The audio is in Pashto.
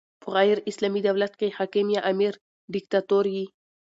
په غیري اسلامي دولت کښي حاکم یا امر ډیکتاتور يي.